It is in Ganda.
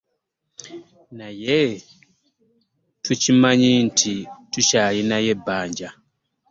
Naye tukimanyi nti tukyalina ebbanja.